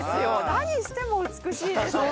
何しても美しいですから。